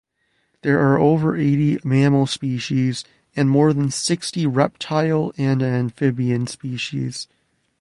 There are over eighty mammal species and more than sixty reptile and amphibian species.